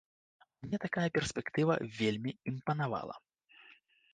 Мне такая перспектыва вельмі імпанавала.